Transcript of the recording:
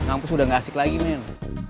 kampus udah gak asik lagi men